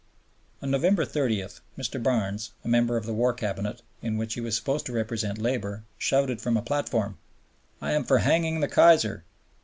On November 30, Mr. Barnes, a member of the War Cabinet, in which he was supposed to represent Labor, shouted from a platform, "I am for hanging the Kaiser."